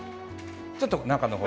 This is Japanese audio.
ちょっと中の方。